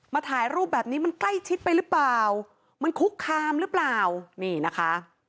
ถ่ายรูปแบบนี้มันใกล้ชิดไปหรือเปล่ามันคุกคามหรือเปล่านี่นะคะ